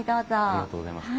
ありがとうございます。